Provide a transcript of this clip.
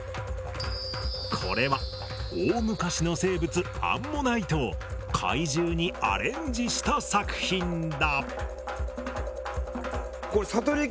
これは大昔の生物アンモナイトを怪獣にアレンジした作品だ。